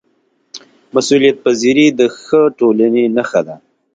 مسؤلیتپذیري د ښه ټولنې نښه ده